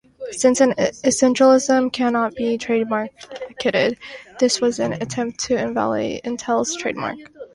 Since an initialism cannot be trademarked, this was an attempt to invalidate Intel's trademark.